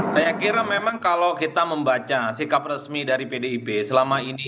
saya kira memang kalau kita membaca sikap resmi dari pdip selama ini